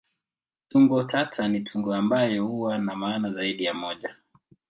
Tungo tata ni tungo ambayo huwa na maana zaidi ya moja.